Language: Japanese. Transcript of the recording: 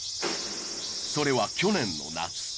それは去年の夏。